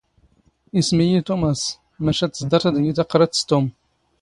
ⵉⵙⵎ ⵉⵢⵉ ⵜⵓⵎⴰⵙ, ⵎⴰⵛⴰ ⵜⵥⴹⴰⵕⴷ ⴰⴷ ⵉⵢⵉ ⵜⴰⵇⵇⵔⴰⴷ ⵙ ⵜⵓⵎ.